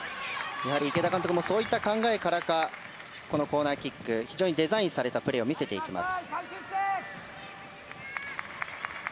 池田監督もそういった考えからかコーナーキックではデザインされたプレーを見せてきます。